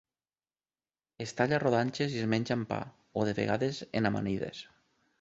Es talla a rodanxes i es menja amb pa, o de vegades en amanides.